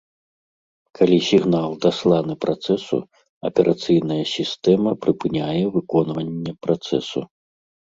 Калі сігнал дасланы працэсу, аперацыйная сістэма прыпыняе выконванне працэсу.